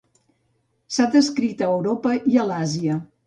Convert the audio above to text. S'ha descrit a Europa i a l'Àsia.